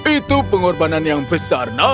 itu pengorbanan yang besar